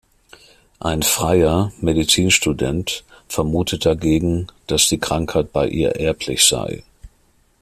Ein Freier, Medizinstudent, vermutet dagegen, dass die Krankheit bei ihr erblich sei.